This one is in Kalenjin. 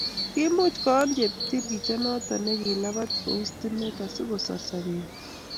Kimuch koyon cheptikirchet noto nekilabat kou stimet asikosor sobenyi